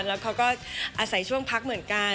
แล้วเขาก็อาศัยช่วงพักเหมือนกัน